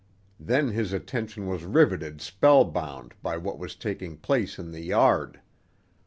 Then his attention was riveted spellbound by what was taking place in the yard.